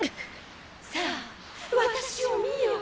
さあ私を見よ。